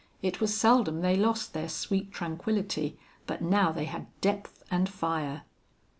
It was seldom they lost their sweet tranquillity. But now they had depth and fire.